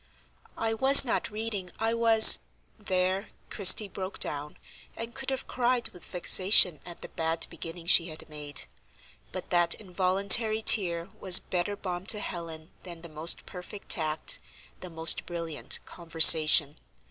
"I was not reading, I was"—there Christie broke down, and could have cried with vexation at the bad beginning she had made. But that involuntary tear was better balm to Helen than the most perfect tact, the most brilliant conversation.